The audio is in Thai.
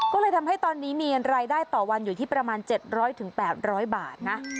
ก็เลยทำให้ตอนนี้มีรายได้ต่อวันอยู่ที่ประมาณ๗๐๐๘๐๐บาทนะ